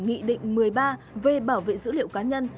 nghị định một mươi ba về bảo vệ dữ liệu cá nhân